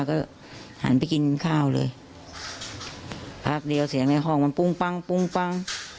ก็หันไปกินข้าวเลยพักเดียวเสียงในห้องมันปุ้งปั้งปุ้งปั้ง